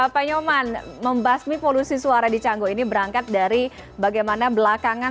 pak nyoman membasmi polusi suara di canggu ini berangkat dari bagaimana belakangan